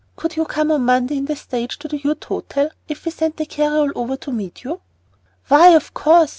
Could you come on Monday in the stage to the Ute Hotel, if we sent the carryall over to meet you?" "Why, of course.